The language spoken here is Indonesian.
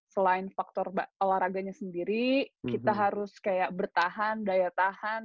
selain faktor olahraganya sendiri kita harus kayak bertahan daya tahan